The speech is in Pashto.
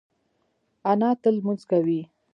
انا تل لمونځ کوي